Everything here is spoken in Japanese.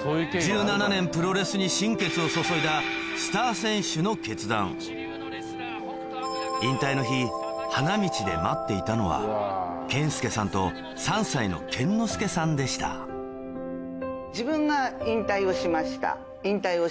１７年プロレスに心血を注いだスター選手の引退の日花道で待っていたのは健介さんと３歳の健之介さんでしたでこの。と思ったんですよ。